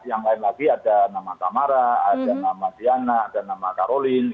yang lain lagi ada nama samara ada nama diana ada nama karolin